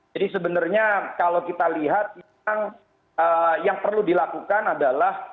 jadi sebenarnya kalau kita lihat yang perlu dilakukan adalah